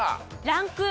ランク１。